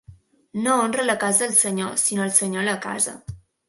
No honra la casa al senyor, sinó el senyor a la casa.